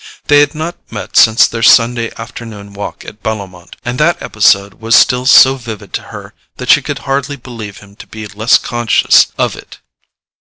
They had not met since their Sunday afternoon walk at Bellomont, and that episode was still so vivid to her that she could hardly believe him to be less conscious of it.